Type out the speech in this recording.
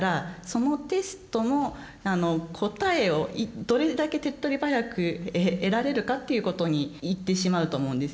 そのテストの答えをどれだけ手っとり早く得られるかっていうことにいってしまうと思うんですね。